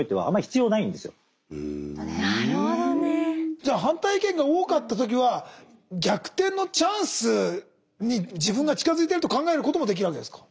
じゃあ反対意見が多かった時は逆転のチャンスに自分が近づいてると考えることもできるわけですか？